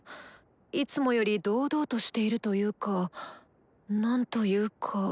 いつもより堂々としているというか何というか。